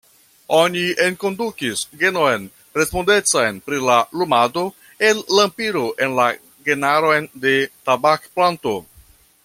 Oni enkondukis genon respondecan pri la lumado el lampiro en la genaron de tabakplanto.